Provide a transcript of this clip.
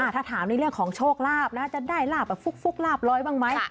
ถ้าถามในเรื่องของโชคลาภนะจะได้ลาบแบบฟุกลาบร้อยบ้างไหม